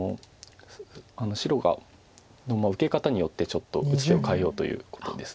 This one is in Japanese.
白が受け方によってちょっと打つ手を変えようということです。